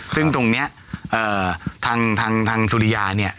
ซึ่งตรงนี้ทางสุริยาเนี่ย